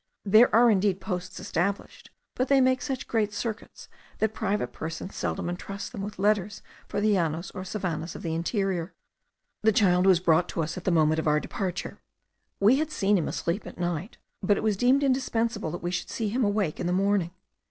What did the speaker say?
There are indeed posts established, but they make such great circuits that private persons seldom entrust them with letters for the llanos or savannahs of the interior. The child was brought to us at the moment of our departure: we had seen him asleep at night, but it was deemed indispensable that we should see him awake in the morning.